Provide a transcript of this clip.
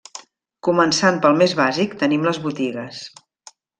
Començant pel més bàsic, tenim les botigues.